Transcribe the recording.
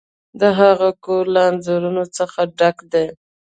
د هغه کور له انځورونو څخه ډک دی.